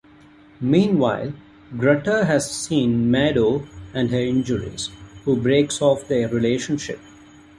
Meanwhile, Grutter has seen Mado and her injuries, who breaks off their relationship.